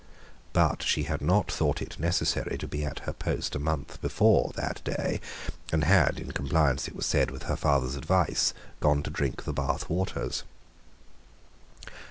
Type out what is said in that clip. But she had not thought it necessary to be at her post a month before that day, and had, in compliance, it was said, with her father's advice, gone to drink the Bath waters.